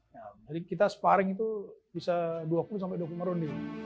jadi kita sparing itu bisa dua puluh sampai dua puluh marun